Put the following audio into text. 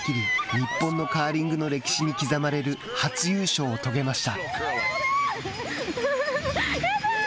日本のカーリングの歴史に刻まれる、初優勝を遂げました。